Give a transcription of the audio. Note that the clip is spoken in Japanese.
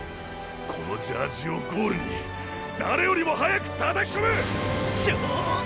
このジャージをゴールに誰よりも早くたたき込め！ショ！